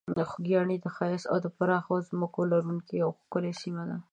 خوږیاڼي د ښایسته او پراخو ځمکو لرونکې یوه ښکلې سیمه ده.